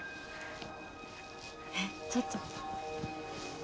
えっちょっと。